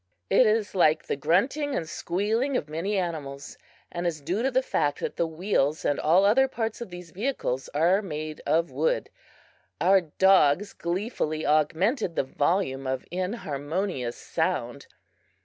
It is like the grunting and squealing of many animals, and is due to the fact that the wheels and all other parts of these vehicles are made of wood. Our dogs gleefully augmented the volume of inharmonious sound.